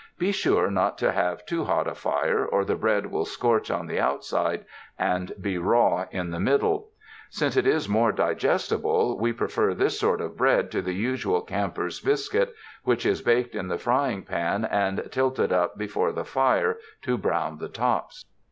Be sure not to have too hot a fire, or the bread will scorch on the outside and be raw in the middle. Since it is more digestible, we pre fer this sort of bread to the usual camper's biscuit which is baked in the frying pan and tilted up be fore the fire to brown the tops.